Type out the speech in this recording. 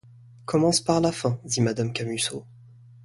Commence par la fin !… dit madame Camusot.